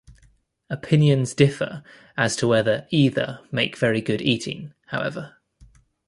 Opinions differ as to whether either make very good eating, however.